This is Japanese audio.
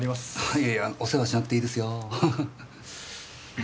いやいやお世話しなくていいですよ。